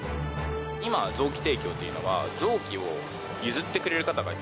今臓器提供というのは臓器を譲ってくれる方が必要